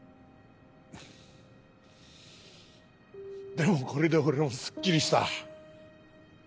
でもこれで俺もすっきりした。